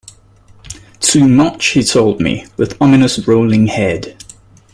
Too much, he told me, with ominous rolling head.